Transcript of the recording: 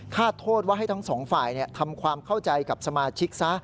โทษว่าให้ทั้งสองฝ่ายทำความเข้าใจกับสมาชิกซะ